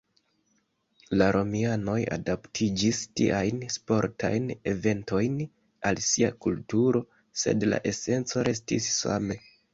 La romianoj adaptiĝis tiajn sportajn eventojn al sia kulturo, sed la esenco restis same.